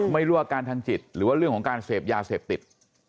ไม่รู้ว่าอาการทางจิตหรือว่าเรื่องของการเสพยาเสพติด